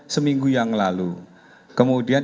seminggu yang lalu kemudian